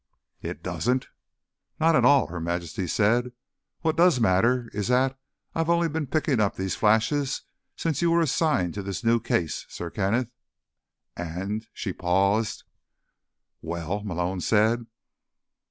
"It doesn't?" "Not at all," Her Majesty said. "What does matter is that I've only been picking up these flashes since you were assigned to this new case, Sir Kenneth. And...." She paused. "Well?" Malone said.